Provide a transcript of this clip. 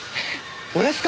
俺っすか！？